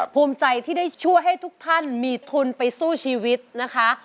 ภูมิใจที่ได้ช่วยให้ทุกท่านมีทุนไปสู้ชีวิตนะคะ